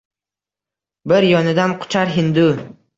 Bir yonidan quchar hindu